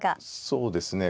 そうですね。